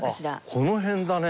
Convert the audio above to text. この辺だね。